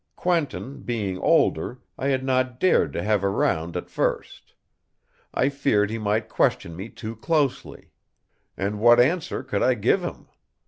Quentin, being older, I had not dared to have around at first. I feared he might question me too closely. And what answer could I give him?